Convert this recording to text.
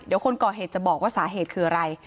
เดี๋ยวคนก่อเหตุจะบอกว่าสาเหตุคืออะไร